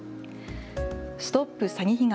ＳＴＯＰ詐欺被害！